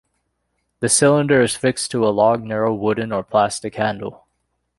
The cylinder is fixed to a long, narrow wooden or plastic handle.